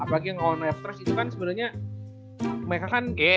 apalagi yang on afters itu kan sebenernya mereka kan